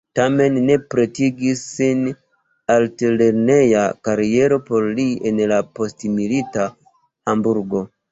Tamen ne pretigis sin altlerneja kariero por li en la postmilita Hamburgo.